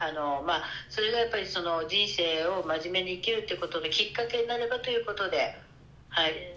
それが人生を真面目に生きるっていうことのきっかけになればということでそうですね